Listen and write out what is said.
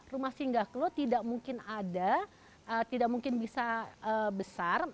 rumah singgah klo tidak mungkin ada tidak mungkin bisa besar